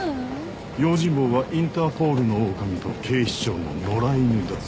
用心棒はインターポールの狼と警視庁の野良犬だぞ。